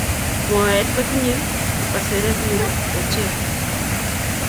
mwaet kotinyei asenet nyuu ochei